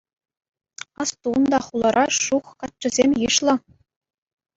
Асту унта, хулара шух каччӑсем йышлӑ.